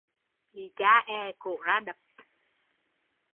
Bị cha è cổ ra đập